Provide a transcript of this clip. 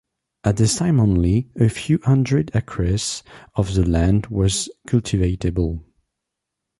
At this time only a few hundred acres of the land was cultivatable.